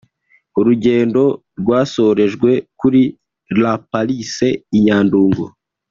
urugendo rwasorejwe kuri La Parisse i Nyandungu